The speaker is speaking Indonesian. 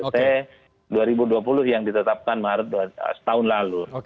kita sudah melihat dengan adart dua ribu dua puluh yang ditetapkan setahun lalu